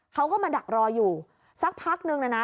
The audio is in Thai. เขาก็มาดักรออยู่สักพักนึงนะนะ